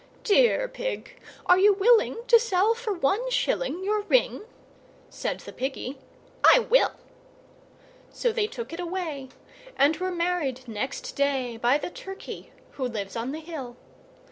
"Dear Pig, are you willing to sell for one shilling Your ring?" Said the Piggy, "I will." So they took it away, and were married next day By the Turkey who lives on the hill.